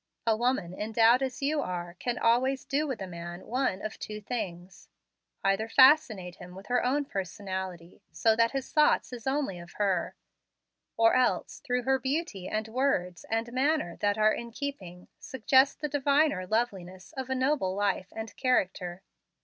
A woman endowed as you are can always do with a man one of two things: either fascinate him with her own personality, so that his thought is only of her; or else through her beauty and words and manner, that are in keeping, suggest the diviner loveliness of a noble life and character.